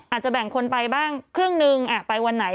อาจจะแบ่งคนไปบ้างครึ่งนึงไปวันไหน